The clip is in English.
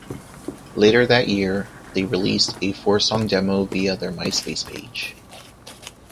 Later that year, they released a four-song demo via their MySpace page.